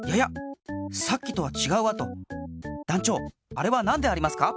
あれはなんでありますか？